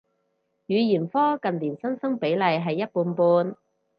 語言科近年新生比例係一半半